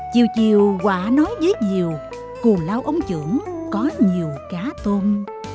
chiều chiều quả nói dưới diều cù lao ống trưởng có nhiều cá tôm